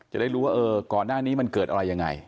จะได้รู้ว่าก่อนหน้านี้มันเกิดอะไรยังไง